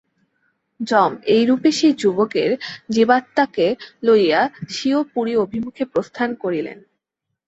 যম এইরূপে সেই যুবকের জীবাত্মাকে লইয়া স্বীয় পুরী অভিমুখে প্রস্থান করিলেন।